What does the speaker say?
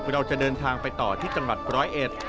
เราจะเดินทางไปต่อที่จังหวัดร้อยเอ็ด